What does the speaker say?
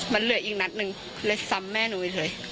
มันเหลืออีกนัดหนึ่งเลยซ้ำแม่หนูอีกเลย